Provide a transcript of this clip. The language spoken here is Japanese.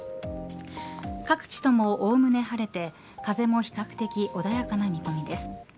各地とも、おおむね晴れて風も比較的穏やかな見込みです。